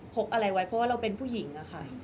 กอะไรไว้เพราะว่าเราเป็นผู้หญิงอะค่ะ